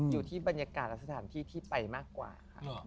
อยู่ที่บรรยากาศและสถานที่ที่ไปมากกว่าค่ะ